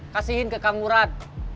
kasihin ke kang murad